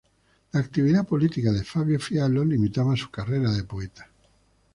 La actividad política de Fabio Fiallo limitaba su carrera de poeta.